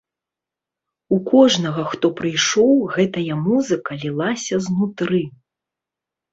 У кожнага, хто прыйшоў, гэтая музыка лілася знутры.